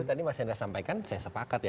itu tadi mas endra sampaikan saya sepakat ya